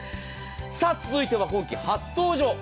続いては今季初登場